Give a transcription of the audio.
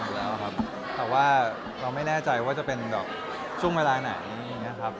โอกาสมีแน่นอนแล้วครับแต่ว่าเราไม่แน่ใจว่าจะเป็นแบบช่วงเวลาไหนนะครับ